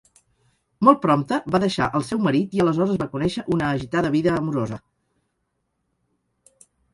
Molt prompte, va deixar el seu marit i aleshores va conèixer una agitada vida amorosa.